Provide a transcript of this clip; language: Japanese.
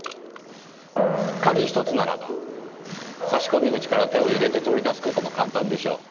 鍵１つならば差込口から手を入れて取り出す事も簡単でしょう。